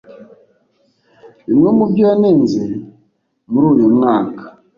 Bimwe mu byo yanenze muri uyu mwaka